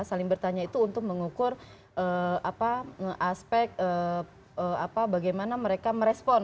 saling bertanya itu untuk mengukur aspek bagaimana mereka merespon